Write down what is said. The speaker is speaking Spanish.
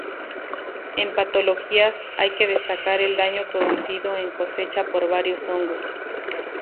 En patologías, hay que destacar el daño producido en cosecha por varios hongos.